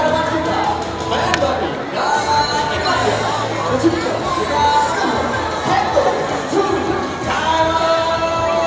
menang tapi gak ada yang mau